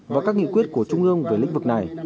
và các nghị quyết của trung ương về lĩnh vực này